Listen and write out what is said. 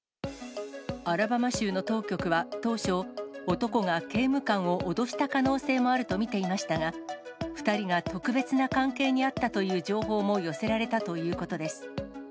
アラバマ州の当局は当初、男が刑務官を脅した可能性もあると見ていましたが、２人が特別な関係にあったという情報も寄せられたということです。